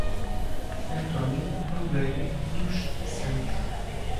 Antônio Nogueira dos Santos